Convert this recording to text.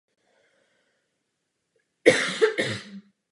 Jejím bratrem je moderátor Václav Moravec.